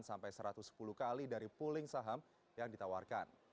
sampai satu ratus sepuluh kali dari pooling saham yang ditawarkan